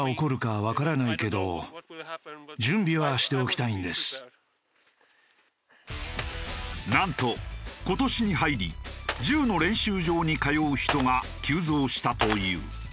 また別の街ではなんと今年に入り銃の練習場に通う人が急増したという。